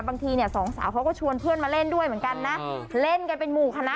บางทีเนี่ยสองสาวเขาก็ชวนเพื่อนมาเล่นด้วยเหมือนกันนะ